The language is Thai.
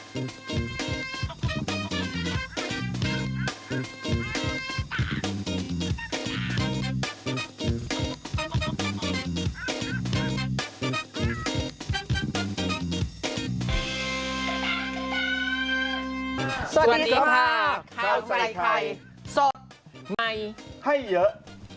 สวัสดีค่ะข้าวใส่ไข่สดใหม่ให้เยอะ